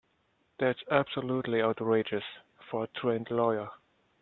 That's absolutely outrageous for a trained lawyer.